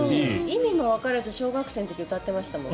意味もわからず小学生の時歌ってましたもん。